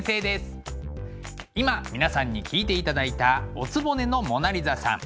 今皆さんに聴いていただいた「お局のモナ・リザさん」。